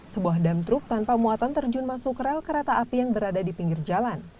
sebuah dam truk tanpa muatan terjun masuk rel kereta api yang berada di pinggir jalan